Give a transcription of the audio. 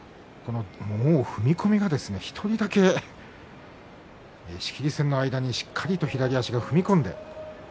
踏み込みが１人だけ、仕切り線の間に、しっかりと左足が踏み込んで。